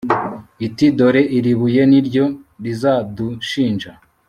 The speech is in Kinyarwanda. ati dore iri buye ni ryo rizadushinja